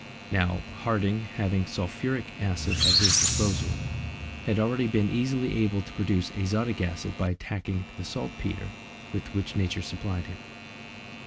Now, Harding having sulphuric acid at his disposal, had already been easily able to produce azotic acid by attacking the saltpetre with which nature supplied him.